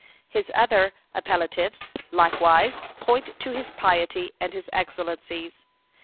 (60) His other appellatives likewise point to his piety and his excellencies.